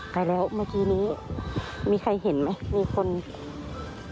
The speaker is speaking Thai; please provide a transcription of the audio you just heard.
ตายแล้วเมื่อกี้นี้มีใครเห็นไหมมีคนโปโตอยู่นะคะ